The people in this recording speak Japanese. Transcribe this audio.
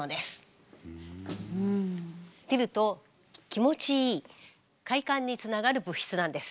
出ると気持ちいい快感につながる物質なんです。